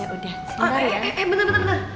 eh bentar bentar